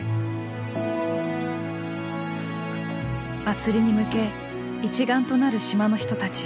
祭りに向け一丸となる島の人たち。